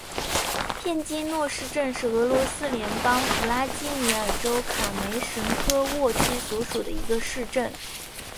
片基诺市镇是俄罗斯联邦弗拉基米尔州卡梅什科沃区所属的一个市镇。